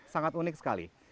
sangat unik sekali